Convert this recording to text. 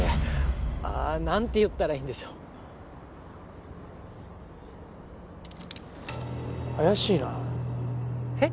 あ何て言ったらいいんでしょう怪しいなへっ？